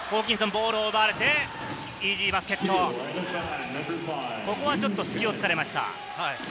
ボールを奪われてイージーバスケット、ここはちょっと隙を突かれました。